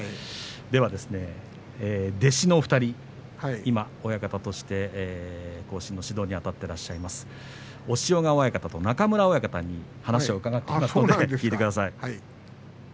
では、弟子のお二人今は親方として後進の指導にあたっていらっしゃる押尾川親方と中村親方に話を伺っています。